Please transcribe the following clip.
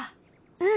うん！